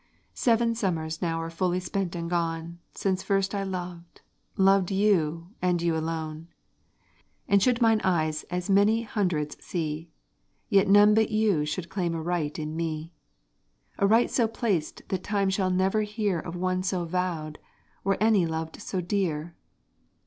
Seven summers now are fully spent and gone, Since first I loved, loved you, and you alone; And should mine eyes as many hundreds see, Yet none but you should claim a right in me; A right so placed that time shall never hear Of one so vowed, or any loved so dear.